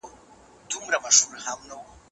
تاریخ قضاوت کوي.